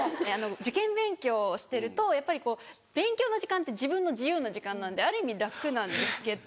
受験勉強してるとやっぱりこう勉強の時間って自分の自由な時間なんである意味楽なんですけど。